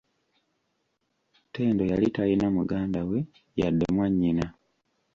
Ttendo yali talina muganda we yadde mwanyina.